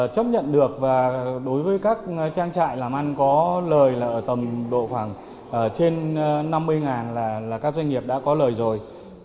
chấp nhận được và đối với các trang trại làm ăn có lợi là tầm độ khoảng trên năm mươi là các doanh nghiệp đã có lợi rồi